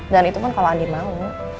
dan itu pun kalau andin mau